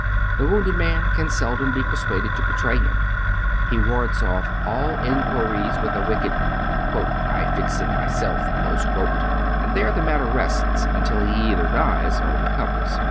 The wounded man can seldom be persuaded to betray him. He wards oft all in quiries with a wicked " I fix him myself," and tliere the matter rests until he either dies or recovers.